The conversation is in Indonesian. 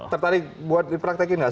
tertarik buat dipraktekin nggak